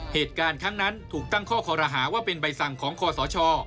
เหตุการณ์ครั้งนั้นถูกตั้งข้อคอรหาว่าเป็นใบสั่งของคอสช